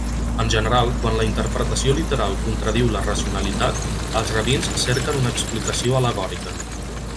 En general quan la interpretació literal contradiu la racionalitat, els rabins cerquen una explicació al·legòrica.